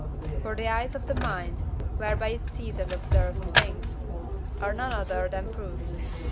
For the eyes of the mind, whereby it sees and observes things, are none other than proofs.